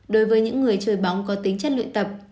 đối với những người chơi bóng có tính chất luyện tập